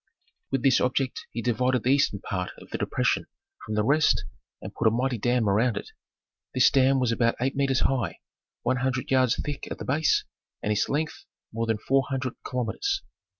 With this object he divided the eastern part of the depression from the rest and put a mighty dam around it. This dam was about eight metres high, one hundred yards thick at the base, and its length more than four hundred kilometres.